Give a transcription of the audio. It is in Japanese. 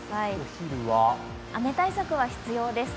お昼は雨対策は必要です。